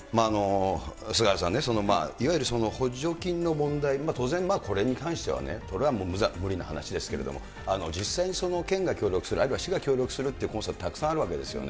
菅原さんね、いわゆる補助金の問題、当然、これに関してはこれは無理な話ですけれども、実際に県が協力する、あるいは市が協力するというコンサートはたくさんあるわけですよね。